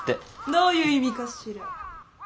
どういう意味かしら？